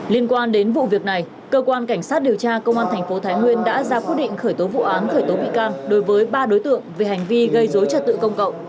liên quan đến vụ việc này cơ quan cảnh sát điều tra công an thành phố thái nguyên đã ra quyết định khởi tố vụ án khởi tố bị can đối với ba đối tượng về hành vi gây dối trật tự công cộng